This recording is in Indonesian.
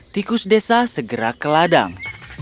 tikus desa segera ke ladang